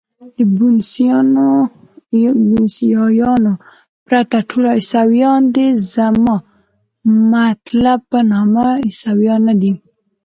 د بوسنیایانو پرته ټول عیسویان دي، زما مطلب په نامه عیسویان نه دي.